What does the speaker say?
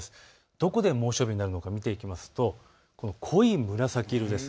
どこで猛暑日になるのか見ていくと、濃い紫色です。